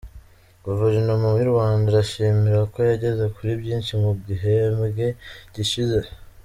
Guverinoma y’u Rwanda irishimira ko yageze kuri byinshi mu gihembwe gishize